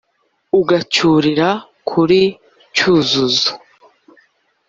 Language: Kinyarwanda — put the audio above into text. Ugacyurira kuri "Cyuzuzo"